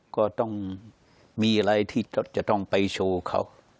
ก็ต้องมีอะไรที่จะต้องไปโชว์เขา